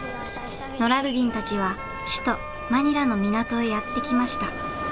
ノラルディンたちは首都マニラの港へやって来ました。